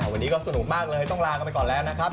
วันนี้ก็สนุกมากเลยต้องลากันไปก่อนแล้วนะครับ